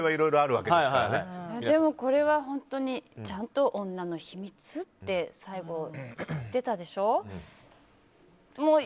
でも、これは本当にちゃんと女の秘密って最後、言っていたでしょう。